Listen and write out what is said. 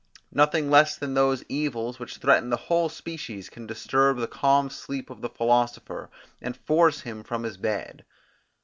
Nothing less than those evils, which threaten the whole species, can disturb the calm sleep of the philosopher, and force him from his bed.